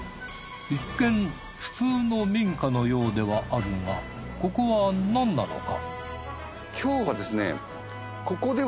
一見普通の民家のようではあるがここは何なのか？